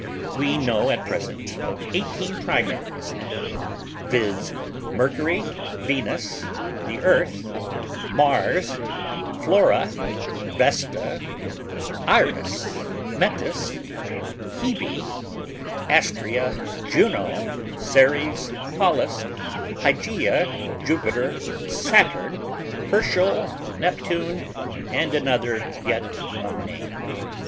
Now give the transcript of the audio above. We know at present of eighteen primaries, viz.: Mercury, Venus, the Earth, Mars, Flora, Vesta, Iris, Metis, Hebe, Astrea, Juno, Ceres, Pallas, Hygeia, Jupiter, Saturn, Herschel, Neptune, and another, yet unnamed.